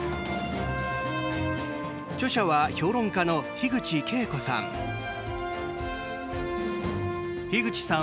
著者は評論家の樋口恵子さん。